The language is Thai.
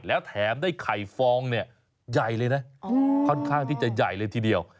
แล้วแถมได้ไข่ฟองเนี่ยใหญ่เลยนะค่อนข้างที่จะใหญ่เลยทีเดียว